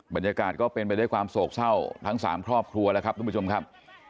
บรรยากาศก็เป็นไปด้วยความโศกเศร้าทั้งสามครอบครัวแล้วครับทุกผู้ชมครับ